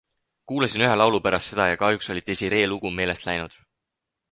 Kuulasin ühe laulu pärast seda ja kahjuks oli Desiree lugu meelest läinud.